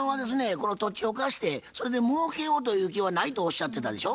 この土地を貸してそれでもうけようという気はないとおっしゃってたでしょ？